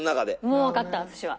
もうわかった私は。